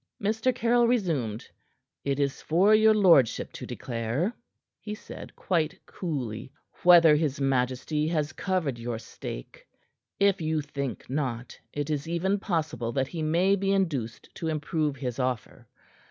Mr. Caryll resumed. "It is for your lordship to declare," he said quite coolly, "whether his majesty has covered your stake. If you think not, it is even possible that he may be induced to improve his offer.